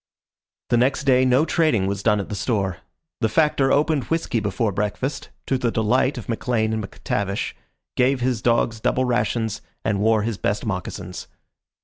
The next day no trading was done at the store. The Factor opened whisky before breakfast, to the delight of McLean and McTavish, gave his dogs double rations, and wore his best moccasins.